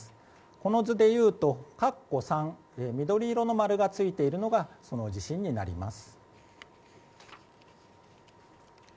この図でいうと、かっこ３緑色の丸がついているのがその地震になります。